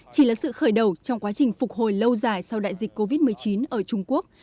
chỉ là sự khởi đầu trong quá trình phục hồi lâu dài sau đại dịch covid một mươi chín ở trung quốc